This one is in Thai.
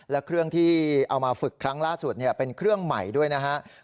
และเครื่องที่เอามาฝึกครั้งล่าสุดเป็นเครื่องใหม่ด้วยนะครับ